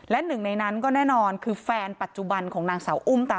และหนึ่งในนั้นก็แน่นอนคือแฟนปัจจุบันของนางสาวอุ้มตา